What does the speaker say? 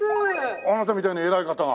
あなたみたいな偉い方が？